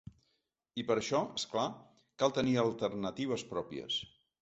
I per això, és clar, cal tenir alternatives pròpies.